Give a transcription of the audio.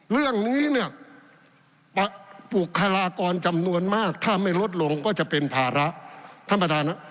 เรื่องนี้เนี่ยบุคลากรจำนวนมากถ้าไม่ลดลงก็จะเป็นภาระท่านประธาน